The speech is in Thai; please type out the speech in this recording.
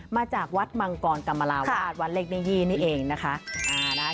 มาจากวัดมังกรกำลาวอาทวะเล็กนี้ยีนี่เองนะคะนะคะ